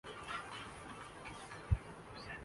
school ہو کہ بازار ہسپتال یا پھر پولیس اسٹیشن پار کر جاتے ہیں